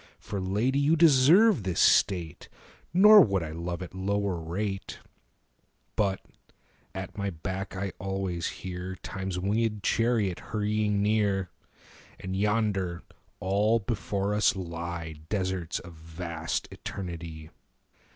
For, Lady, you deserve this state, Nor would I love at lower rate. 20 But at my back I always hear Time's wingèd chariot hurrying near; And yonder all before us lie Deserts of vast eternity.